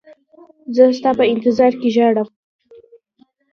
زه ستا په انتظار کې ژاړم.